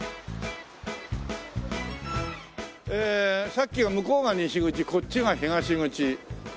ええさっきは向こうが西口こっちが東口。